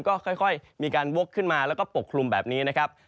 ก็ค่อยมีการวกขึ้นมาแล้วก็ปกคลุมแบบนี้นะครับ